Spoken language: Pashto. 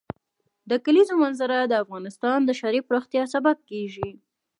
د کلیزو منظره د افغانستان د ښاري پراختیا سبب کېږي.